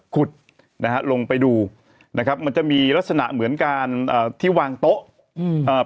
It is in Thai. ขุดนะฮะลงไปดูนะครับมันจะมีลักษณะเหมือนการเอ่อที่วางโต๊ะอืมเอ่อ